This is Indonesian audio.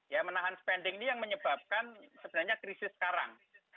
ya menahan spending ini yang menyebabkan sebenarnya krisis sekarang